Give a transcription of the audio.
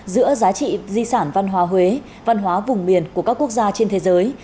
giữa giá trị di sản văn hóa huế văn hóa vùng miền của các quốc gia trên thế giới